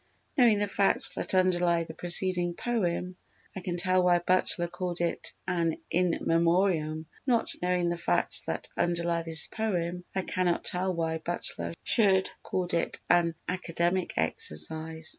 Knowing the facts that underlie the preceding poem I can tell why Butler called it an In Memoriam; not knowing the facts that underlie this poem I cannot tell why Butler should have called it an Academic Exercise.